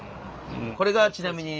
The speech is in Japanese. これがちなみに。